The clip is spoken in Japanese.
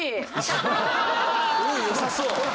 運良さそう！